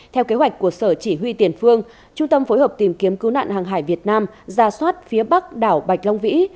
theo kế hoạch của sở chỉ huy tiền phương trung tâm phối hợp tìm kiếm cứu nạn hàng hải việt nam ra soát phía bắc đảo bạch long vĩ